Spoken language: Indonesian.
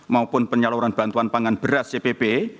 maupun penyaluran bantuan pangan beras cpp